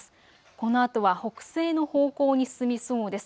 このあとは北西の方向に進みそうです。